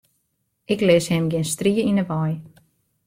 Ik lis him gjin strie yn 'e wei.